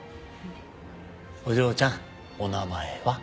お嬢ちゃんお名前は？